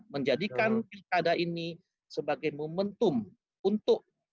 menjadikan pilkada ini sebagai momentum untuk